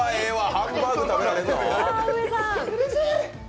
ハンバーグ食べられんの？